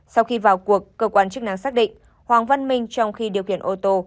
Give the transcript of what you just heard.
sau khi vào cuộc cơ quan chức năng xác định hoàng văn minh trong khi điều khiển ô tô